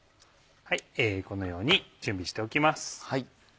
このように準備しておきます。